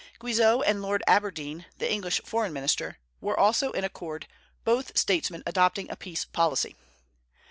Guizot and Lord Aberdeen, the English foreign minister, were also in accord, both statesmen adopting a peace policy.